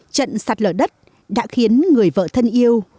trận sạt lở đất đã khiến người vợ thân yêu